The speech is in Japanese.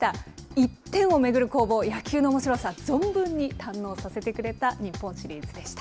１点を巡る攻防、野球のおもしろさ、存分に堪能させてくれた日本シリーズでした。